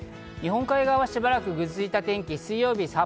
日本海側はしばらく、ぐずついた天気。